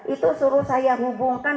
itu suruh saya hubungkan